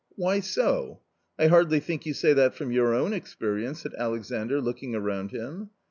"Why so? I hardly think you say that from your own experience?" said Alexandr looking around him.